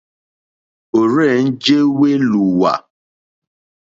Ò rzênjé wélùwà.